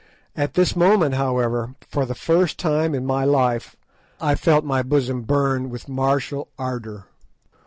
At this moment, however, for the first time in my life, I felt my bosom burn with martial ardour.